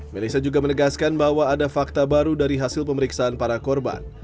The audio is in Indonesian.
melissa juga menegaskan bahwa ada fakta baru dari hasil pemeriksaan para korban